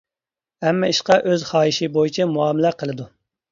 ھەممە ئىشقا ئۆز خاھىشى بويىچە مۇئامىلە قىلىدۇ.